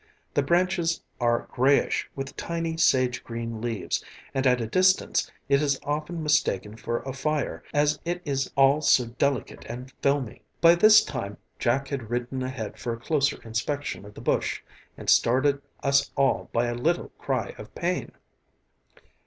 The branches are grayish with tiny sage green leaves and at a distance it is often mistaken for a fire as it is all so delicate and filmy." By this time Jack had ridden ahead for a closer inspection of the bush and startled us all by a little cry of pain.